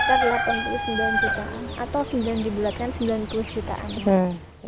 atau sebagian dibelarkan sembilan puluh jikaan